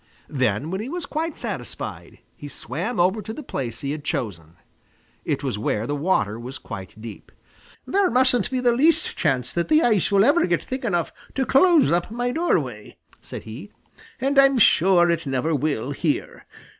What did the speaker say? Then, when he was quite satisfied, he swam over to the place he had chosen. It was where the water was quite deep. "There mustn't be the least chance that the ice will ever get thick enough to close up my doorway," said he, "and I'm sure it never will here.